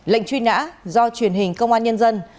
lệnh truy nã do truyền hình công an nhân dân